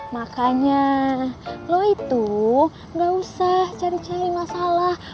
makanya lo itu gak usah cari cari masalah